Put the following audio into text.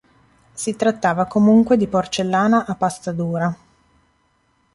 Si trattava comunque di porcellana a pasta dura.